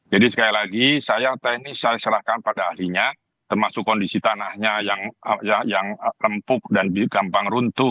jadi sekali lagi saya teknis saya serahkan pada ahlinya termasuk kondisi tanahnya yang rempuk dan gampang runtuh